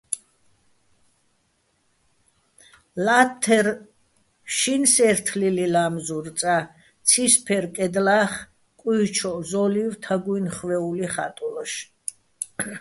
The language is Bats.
ლა́თთერ შინსე́რთლილიჼ ლა́მზურ წა, ცისბერ კედლა́ხ კუიჩო̆ ზო́ლივ თაგუჲნი̆ ხვე́ული ხა́ტოლაშ.